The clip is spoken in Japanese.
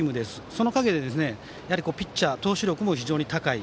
その影で、ピッチャー投手力も非常に高い。